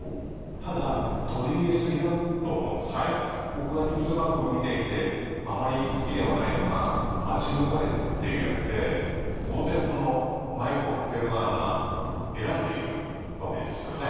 僕がニュース番組を見ていてあまり好きではないのが「街の声」っていうやつで当然そのマイクを向ける側が選んでいるわけですよね。